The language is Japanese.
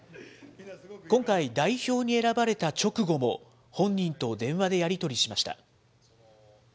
今回、代表に選ばれた直後も、本人と電話でやり取りしました。